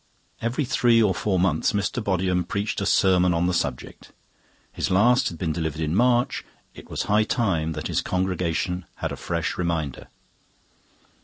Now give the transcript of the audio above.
Every three or four months Mr. Bodiham preached a sermon on the subject. His last had been delivered in March; it was high time that his congregation had a fresh reminder.